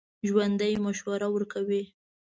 ژوندي مشوره ورکوي